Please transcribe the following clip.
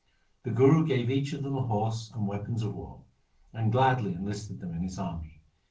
The Guru gave them each a horse and weapons of war, and gladly enlisted them in his army.